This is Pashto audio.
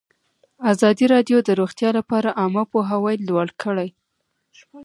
ازادي راډیو د روغتیا لپاره عامه پوهاوي لوړ کړی.